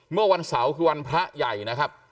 เมื่อวันเสาร์คือวันพระใหญ่นะครับ